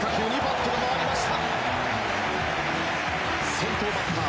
先頭バッター